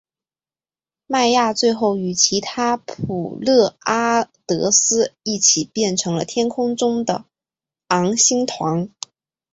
迈亚最后与其他普勒阿得斯一起变成了天空中的昴星团。